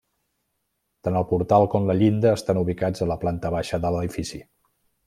Tant el portal com la llinda estan ubicats a la planta baixa de l'edifici.